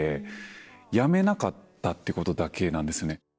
辞めなかったっていうことだけなんですよね。